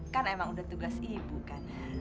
kan emang udah tugas ibu kan